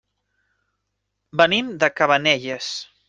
Venim de Cabanelles.